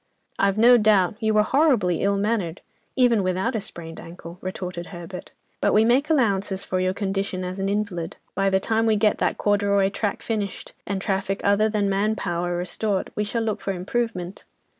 "I've no doubt; you were horribly ill mannered, even without a sprained ankle," retorted Herbert, "but we make allowances for your condition as an invalid. By the time we get that corduroy track finished, and traffic other than 'man power' restored, we shall look for improvement."